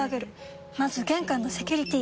まず玄関のセキュリティ！